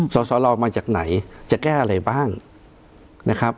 สสลมาจากไหนจะแก้อะไรบ้างนะครับ